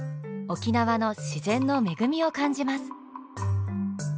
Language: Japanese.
沖縄の自然の恵みを感じます。